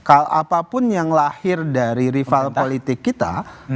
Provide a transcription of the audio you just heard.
apapun yang lahir dari rival politik kita